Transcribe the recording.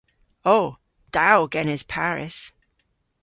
O. Da o genes Paris.